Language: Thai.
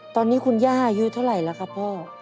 ตอนนี้คุณย่ายูเท่าไรละใครพ่อ